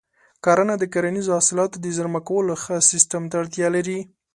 کرنه د کرنیزو حاصلاتو د زېرمه کولو ښه سیستم ته اړتیا لري.